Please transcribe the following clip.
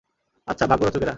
আচ্ছা, ভাগ্য-রচকেরা!